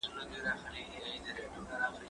زه هره ورځ د تکړښت لپاره ځم!؟